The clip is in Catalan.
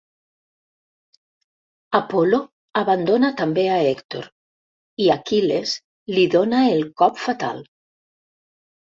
Apol·lo abandona també a Hèctor i Aquil·les li dóna el cop fatal.